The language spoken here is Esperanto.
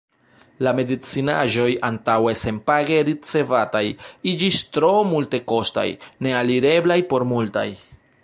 La medicinaĵoj, antaŭe senpage ricevataj, iĝis tro multekostaj, nealireblaj por multaj.